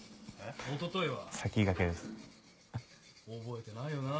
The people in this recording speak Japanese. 覚えてないよな。